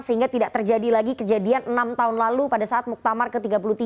sehingga tidak terjadi lagi kejadian enam tahun lalu pada saat muktamar ke tiga puluh tiga